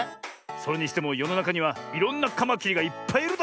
それにしてもよのなかにはいろんなカマキリがいっぱいいるだろう？